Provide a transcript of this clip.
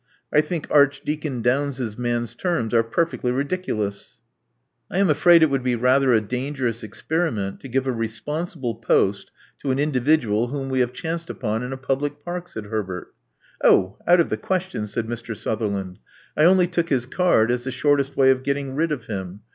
I think Archdeacon Downes's man's terms are perfectly ridiculous." I am afraid it would be rather a dangerous experi ment to give a responsible post to an individual whom we have chanced upon in a public park, '' said Herbert. Oh! out of the question," said Mr. Sutherland. I only took his card as the shortest way of getting rid of him.